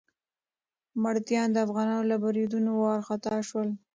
مرهټیان د افغانانو له بريدونو وارخطا شول.